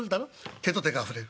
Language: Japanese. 手と手が触れる」。